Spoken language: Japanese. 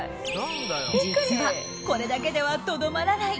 実は、これだけではとどまらない